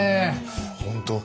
本当